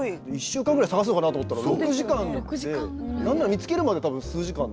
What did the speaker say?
１週間ぐらい捜すのかなと思ったら６時間やって何なら見つけるまで多分数時間。